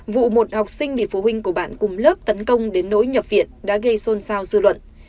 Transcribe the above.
vụ một học sinh bị phụ huynh của bạn cùng lớp tấn công đến nỗi nhập viện đã gây xôn xao dư luận